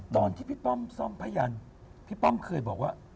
ตอนที่พี่ป้อมซ่อมพยันพี่ป้อมเคยบอกว่า